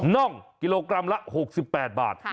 น่องกิโลกรัมละ๖๘บาท